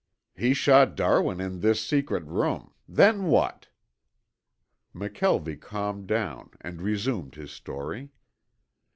"He shot Darwin in this secret room. Then what?" McKelvie calmed down and resumed his story.